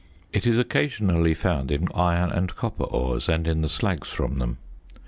It is occasionally found in iron and copper ores and in the slags from them.